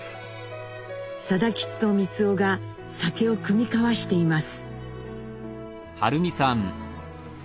定吉と光男が酒を酌み交わしています。